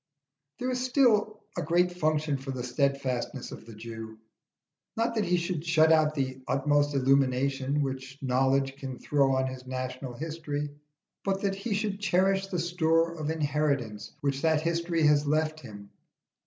There is still a great function for the steadfastness of the Jew: not that he should shut out the utmost illumination which knowledge can throw on his national history, but that he should cherish the store of inheritance which that history has left him.